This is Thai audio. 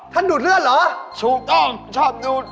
ดูดเลือดเหรอถูกต้องชอบดูด